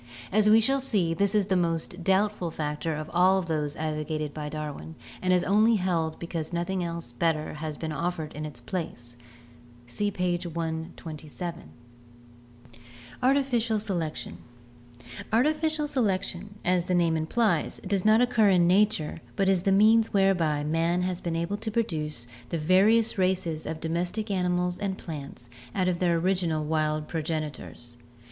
As we shall see, this is the most doubtful factor of all of those advocated by Darwin and is only held because noth ing better has been offered in its place (see page 127). Artificial Selection. — Artificial selection, as the name implies, does not occur in nature but is the means whereby man has been able to produce the various races of domestic animals and plants out of their original wild progenitors.